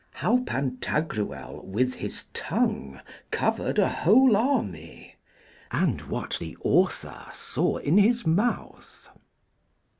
How Pantagruel with his tongue covered a whole army, and what the author saw in his mouth.